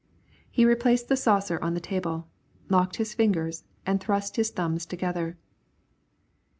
He replaced the saucer on the table, locked his fingers and thrust his thumbs together.